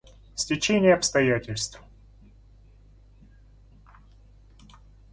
Стечение обстоятельств.